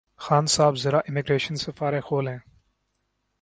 خان صاحب ذرا امیگریشن سے فارغ ہولیں